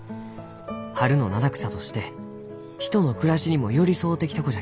春の七草として人の暮らしにも寄り添うてきた子じゃき」。